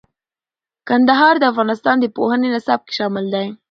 کندهار د افغانستان د پوهنې نصاب کې شامل دی.